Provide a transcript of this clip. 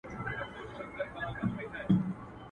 نه وزیر نه سلاکار یمه زما وروره.